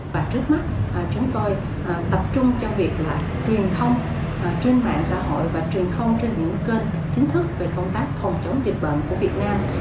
và trước mắt chúng tôi tập trung cho việc truyền thông trên mạng xã hội và truyền thông trên những kênh chính thức về công tác phòng chống dịch bệnh của việt nam